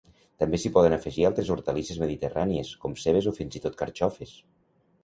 També s'hi poden afegir altres hortalisses mediterrànies, com cebes o fins i tot carxofes.